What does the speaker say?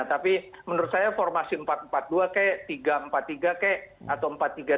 tapi menurut saya formasi empat empat dua kek tiga empat tiga kek atau empat tiga dua